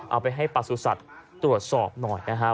เอาไปให้ประสุทธิ์ตรวจสอบหน่อยนะฮะ